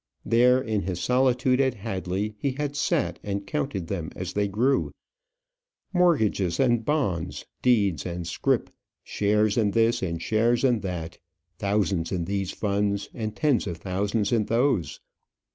There, in his solitude at Hadley, he had sat and counted them as they grew, mortgages and bonds, deeds and scrip, shares in this and shares in that, thousands in these funds and tens of thousands in those.